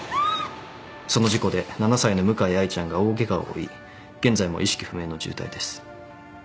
その事故で７歳の向井愛ちゃんが大ケガを負い現在も意識不明の重体です。